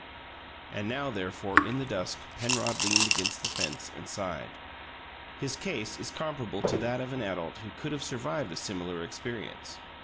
And now, therefore, in the dusk, Penrod leaned against the fence and sighed. His case is comparable to that of an adult who could have survived a similar experience.